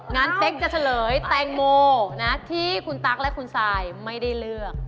งั้นเป๊กจะเฉลยแตงโมนะที่คุณตั๊กและคุณซายไม่ได้เลือก